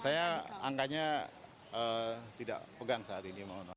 saya angkanya tidak pegang saat ini